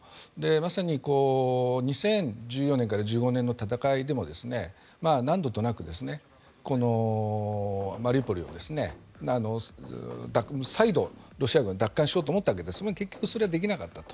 まさに２０１４年から１５年の戦いでも何度となくマリウポリを再度、ロシア軍は奪還しようと思ったわけですが結局それはできなかった。